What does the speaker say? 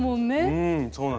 うんそうなんです。